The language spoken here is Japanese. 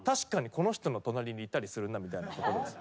この人の隣にいたりするなみたいなことです。